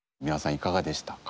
いかがでしたか？